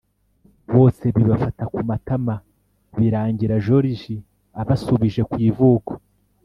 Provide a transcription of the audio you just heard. Bose bifata ku matama, birangira joriji abasubije ku ivuko.